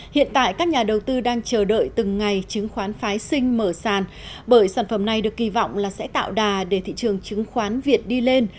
hiện tại các nhà đầu tư đang chờ đợi từng ngày chứng khoán phái sinh mở sàn bởi sản phẩm này được kỳ vọng là sẽ tạo đà để thị trường chứng khoán việt đi lên